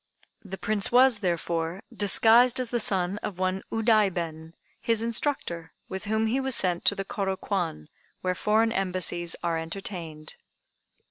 The Prince was, therefore, disguised as the son of one Udaiben, his instructor, with whom he was sent to the Kôro Kwan, where foreign embassies are entertained.